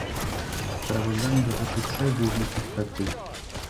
Sprawozdanie dotyczy trzech głównych aspektów